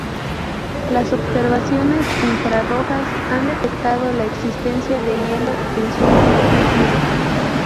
Las observaciones infrarrojas han detectado la existencia de hielo en su superficie.